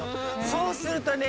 そうするとね